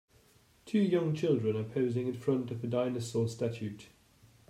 two young children are posing in front of a dinosaur statute.